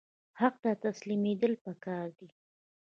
حق ته تسلیمیدل پکار دي